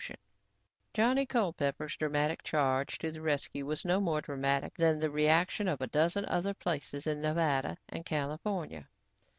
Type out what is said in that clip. Johnny Culpepper's dramatic charge to the rescue was no more dramatic than the reaction in a dozen other places in Nevada and California.